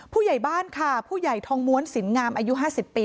ผู้ใหญ่บ้านค่ะผู้ใหญ่ทองม้วนสินงามอายุ๕๐ปี